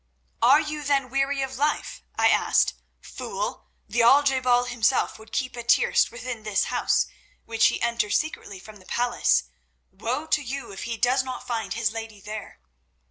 "'Are you, then, weary of life?' I asked. 'Fool, the Al je bal himself would keep a tryst within this house, which he enters secretly from the palace. Woe to you if he does not find his lady there!